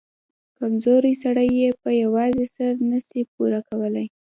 کمزورى سړى يې په يوازې سر نه سي پورې کولاى.